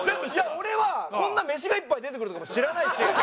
俺はこんな飯がいっぱい出てくるとかも知らないし。